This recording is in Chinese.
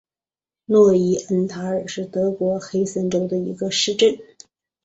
诺伊恩塔尔是德国黑森州的一个市镇。